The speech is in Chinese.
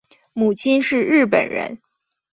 母亲是日本人。